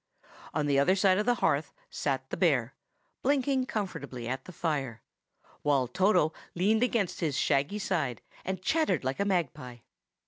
On the other side of the hearth sat the bear, blinking comfortably at the fire, while Toto leaned against his shaggy side, and chattered like a magpie.